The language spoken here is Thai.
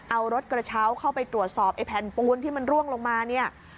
เอารถกระเช้าเข้าไปตรวจสอบไอ้แผ่นปูนที่มันร่วงลงมาเนี่ย